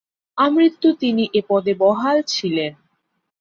আমৃত্যু তিনি এ পদে বহাল ছিলেন।